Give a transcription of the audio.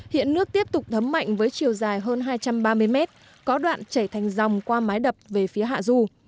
hiện nước tiếp tục thấm mạnh với chiều dài hơn hai trăm ba mươi mét có đoạn chảy thành dòng qua mái đập về phía hạ du